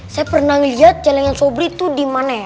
saya pernah lihat celenggan sobri itu dimana ya